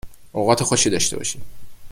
اوقات خوشی داشته باشی